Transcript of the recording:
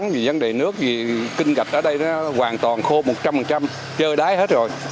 vì kinh gạch ở đây nó hoàn toàn khô một trăm linh chơi đáy hết rồi